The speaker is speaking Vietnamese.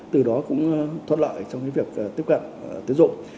từ đó cũng thuận lợi trong việc tiếp cận tiến dụng